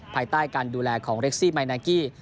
ภายใต้การดูแลของเรกซี่ไมนากี้